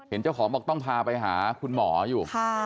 เจ้าของบอกต้องพาไปหาคุณหมออยู่